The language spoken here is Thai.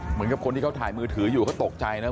เหมือนกับคนที่เขาถ่ายมือถืออยู่เขาตกใจนะ